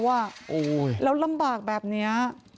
แล้วลำบากแบบนี้